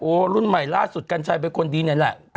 รุ่นใหม่ล่าสุดกัญชัยเป็นคนดีนี่แหละ